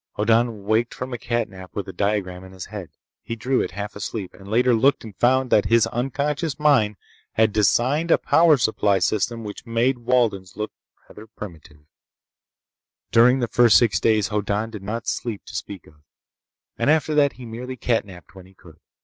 Hoddan waked from a cat nap with a diagram in his head. He drew it, half asleep, and later looked and found that his unconscious mind had designed a power supply system which made Walden's look rather primitive— During the first six days Hoddan did not sleep to speak of, and after that he merely cat napped when he could.